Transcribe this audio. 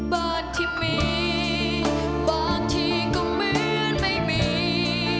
บ้านที่มีบางทีก็เหมือนไม่มี